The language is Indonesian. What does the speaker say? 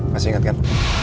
masih inget kan